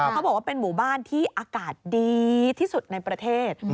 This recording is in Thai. เขาบอกว่าเป็นหมู่บ้านที่อากาศดีที่สุดในประเทศ